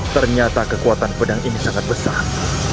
ternyata kekuatan pedang ini sangat besar